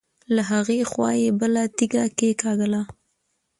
له هغې خوا يې بله تيږه کېکاږله.